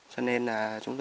cho nên là